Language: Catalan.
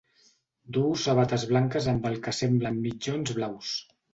Duu sabates blanques amb el que semblen mitjons blaus.